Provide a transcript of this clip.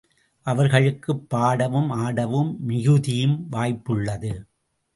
அவர்களுக்குப் பாடவும் ஆடவும் மிகுதியும் வாய்ப்புள்ளது.